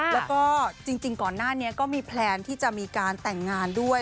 แล้วก็จริงก่อนหน้านี้ก็มีแพลนที่จะมีการแต่งงานด้วย